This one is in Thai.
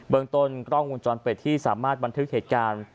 เมืองต้นกล้องวงจรปิดที่สามารถบันทึกเหตุการณ์